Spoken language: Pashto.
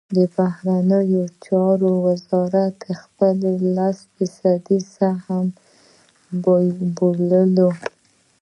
د بهرنیو چارو وزارت د خپل لس فیصدۍ سهم حق بولي.